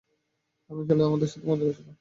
আমি আসলে তোমাদের সাথে মজা করছিলাম।